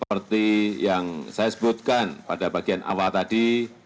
seperti yang saya sebutkan pada bagian awal tadi